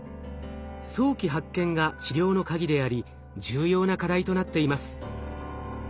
早期発見が治療の鍵であり重要な課題となっています。